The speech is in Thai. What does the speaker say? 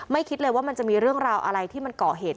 คิดเลยว่ามันจะมีเรื่องราวอะไรที่มันก่อเหตุ